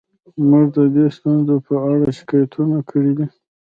موږ د دې ستونزو په اړه شکایتونه کړي دي